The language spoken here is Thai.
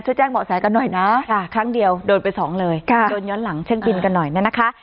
ช่วยแจ้งเหมาะแสกันหน่อยนะครั้งเดียวโดนไปสองเลยค่ะโดนย้อนหลังเช็คบินกันหน่อยนะคะ